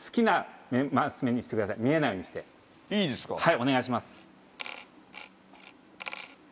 お願いします。